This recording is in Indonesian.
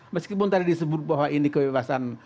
meskipun tadi disebut bahwa ini kebebasan